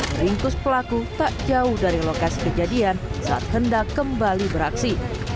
meringkus pelaku tak jauh dari lokasi kejadian saat hendak kembali beraksi